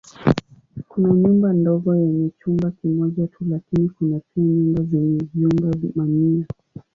Kuna nyumba ndogo yenye chumba kimoja tu lakini kuna pia nyumba zenye vyumba mamia.